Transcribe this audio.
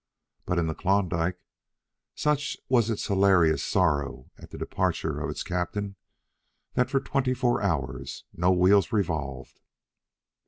But in the Klondike, such was its hilarious sorrow at the departure of its captain, that for twenty four hours no wheels revolved.